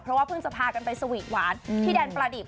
เพราะว่าเพิ่งจะพากันไปสวีทหวานที่แดนประดิบ